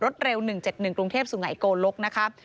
รถเร็ว๑๗๑กรุงเทพศ์สุหัยโกลกนะครับ